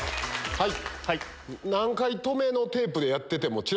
はい！